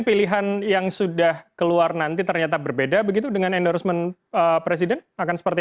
pilihan yang sudah keluar nanti ternyata berbeda begitu dengan endorsement presiden akan seperti